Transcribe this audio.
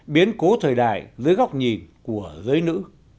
biến cố thời đại dưới góc nhìn của giới nữ